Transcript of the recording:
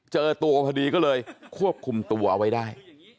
เจอตัวพอดีก็เลยควบคุมตัวเอาไว้ได้